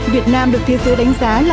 việt nam được thế giới đánh giá là